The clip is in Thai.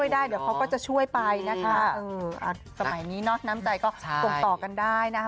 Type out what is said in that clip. เดี๋ยวเขาก็จะช่วยไปสมัยนี้นะ้มใจก็ต่อกันได้นะครับ